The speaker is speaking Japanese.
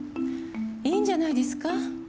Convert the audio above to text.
いいんじゃないですか？